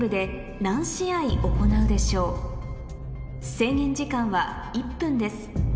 制限時間は１分です